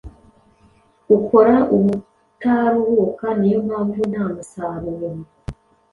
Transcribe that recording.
ukora ubutaruhuka niyo mpamvu ntamusaruro